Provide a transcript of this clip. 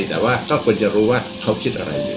แต่ว่าก็ควรจะรู้ว่าเขาคิดอะไร